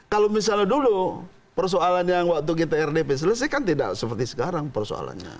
kalau misalnya dulu persoalan yang waktu kita rdp selesai kan tidak seperti sekarang persoalannya